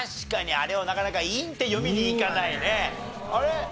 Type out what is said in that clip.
あれ？